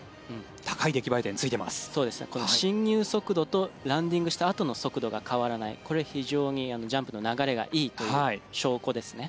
進入速度とランディングしたあとの速度が変わらないこれは非常にジャンプの流れがいいという証拠ですね。